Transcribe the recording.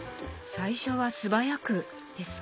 最初は素早くですか？